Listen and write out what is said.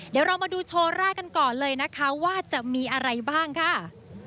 เดี๋ยวเรามาดูโชว์แรกกันก่อนเลยนะคะว่าจะมีอะไรบ้างค่ะ